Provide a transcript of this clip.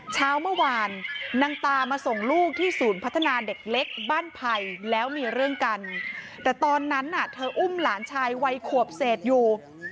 เช้าเมื่อวานนางตามาส่งลูกที่ศูนย์พัฒนาเด็กเล็กบ้านไผ่แล้วมีเรื่องกันแต่ตอนนั้นน่ะเธออุ้มหลานชายวัยขวบเศษอยู่